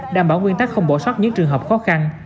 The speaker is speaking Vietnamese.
đảm bảo nguyên tắc không bổ sót những trường hợp khó khăn